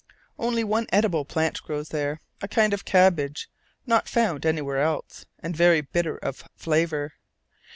Only one edible plant grows there, a kind of cabbage, not found anywhere else, and very bitter of flavour.